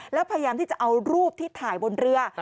แล้วพยายามที่จะเอารูปที่ถ่ายบนเรือ